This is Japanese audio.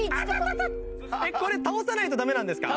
これ倒さないとダメなんですか？